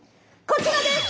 こちらです！